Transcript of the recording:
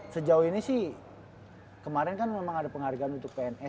sejauh ini sih kemarin kan memang ada penghargaan untuk pns ya